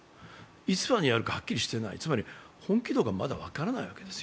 いつまでやるか、はっきりしてないつまり本気度が分からないわけです。